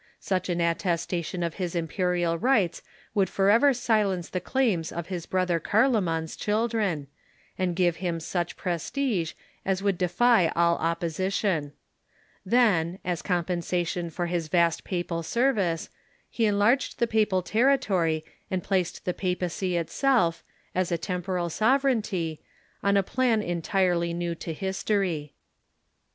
Such an attestation of his imperial rights would forever silence the claims of his brother Carloman's chil dren, and give him such prestige as would defy all opposition. Then, as compensation for his vast papal service, he enlarged the papal territory and placed the papacy itself, as a temporal sovereignty, on a plan entirely new to history.